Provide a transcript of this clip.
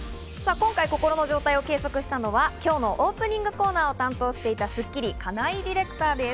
今回心の状態を計測したのは今日のオープニングコーナーを担当していた『スッキリ』金井ディレクターです。